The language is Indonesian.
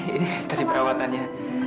ini tadi perawatannya